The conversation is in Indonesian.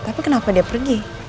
tapi kenapa dia pergi